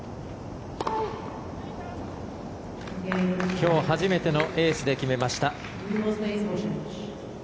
今日初めてのエースで決めました。